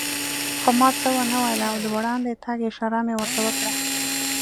خو ما څه و نه ویل او د وړاندې تګ اشاره مې ورته وکړه.